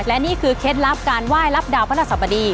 และนี่คือเคล็ดลับการไหว้รับดาวพระราชสัปดี